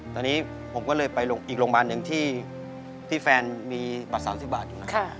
ตอนนี้ผมก็เลยไปอีกโรงพยาบาลหนึ่งที่แฟนมีบัตร๓๐บาทอยู่นะ